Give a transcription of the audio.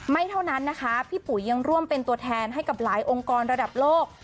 เท่านั้นนะคะพี่ปุ๋ยยังร่วมเป็นตัวแทนให้กับหลายองค์กรระดับโลก